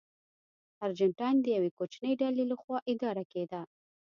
ارجنټاین د یوې کوچنۍ ډلې لخوا اداره کېده.